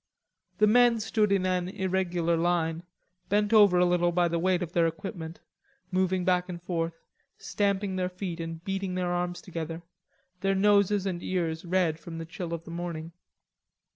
The men stood in an irregular line, bent over a little by the weight of their equipment, moving back and forth, stamping their feet and beating their arms together, their noses and ears red from the chill of the morning.